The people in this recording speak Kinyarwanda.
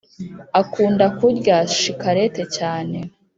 akunda kurya shikarete cyane